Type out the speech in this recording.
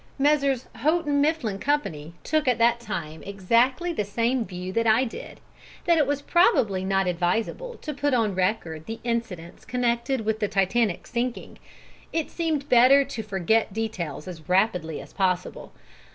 Messrs. Houghton Mifflin Company took at that time exactly the same view that I did, that it was probably not advisable to put on record the incidents connected with the Titanic's sinking: it seemed better to forget details as rapidly as possible.